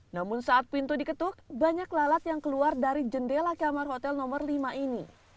namun saat pintu diketuk banyak lalat yang keluar dari jendela kamar hotel nomor lima ini